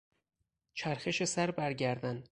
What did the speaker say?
چرخش سر بر گردن